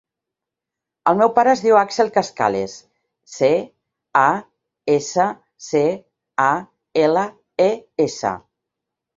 El meu pare es diu Axel Cascales: ce, a, essa, ce, a, ela, e, essa.